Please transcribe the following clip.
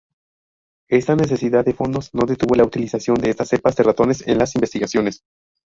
Esta necesidad de fondos, no detuvo la utilización de estas cepas de ratones, en las investigaciones.